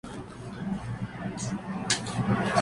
El Ángel.